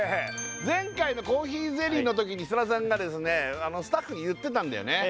前回のコーヒーゼリーのときに設楽さんがスタッフに言ってたんだよね